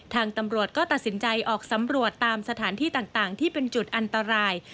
ทางตำรวจก็ตัดสินใจออกสำรวจตามสถานที่ต่างที่เป็นจุดอันตราย